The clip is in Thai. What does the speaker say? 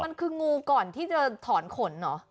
มันคืองูก่อนที่จะถอนขนเหรอ